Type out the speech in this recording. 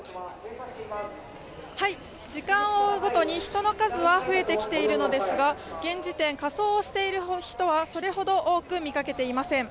時間を追うごとに人の数は増えてきているのですが現時点、仮装をしている人はそれほど多く見かけていません。